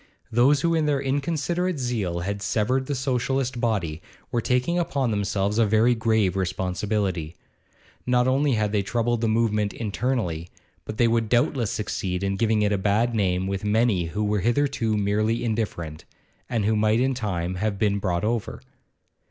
Those who in their inconsiderate zeal had severed the Socialist body, were taking upon themselves a very grave responsibility; not only had they troubled the movement internally, but they would doubtless succeed in giving it a bad name with many who were hitherto merely indifferent, and who might in time have been brought over.